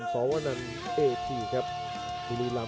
กันต่อแพทย์จินดอร์